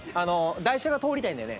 台車が通りたいんだよね